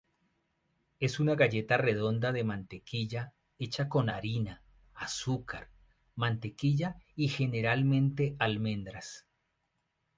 Es una galleta redonda de mantequilla, hecha con harina, azúcar, mantequilla y generalmente almendras.